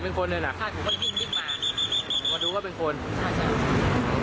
อ๋อเราก็เลยกลับดูแล้วก็เห็นคนเนี่ย